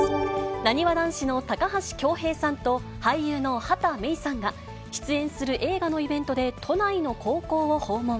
なにわ男子の高橋恭平さんと、俳優の畑芽育さんが、出演する映画のイベントで都内の高校を訪問。